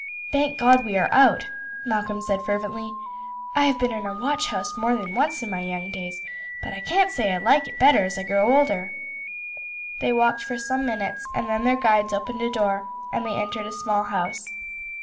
"Thank God we are out!" Malcolm said fervently. "I have been in a watch house more than once in my young days, but I can't say I like it better as I grow older." They walked for some minutes, and then their guides opened a door and they entered a small house.